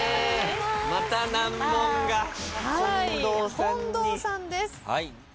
また難問が近藤さんに。